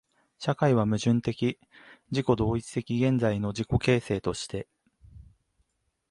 社会は矛盾的自己同一的現在の自己形成として、